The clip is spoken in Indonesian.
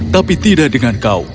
tapi tidak dengan kau